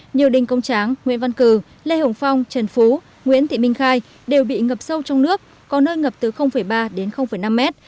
nhiều đình công tráng nguyễn văn cử lê hồng phong trần phú nguyễn thị minh khai đều bị ngập sâu trong nước có nơi ngập từ ba đến năm mét